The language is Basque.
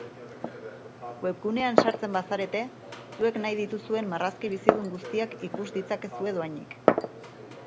Webgunean sartzen bazarete, zuek nahi dituzuen marrazki bizidun guztiak ikus ditzakezue dohainik.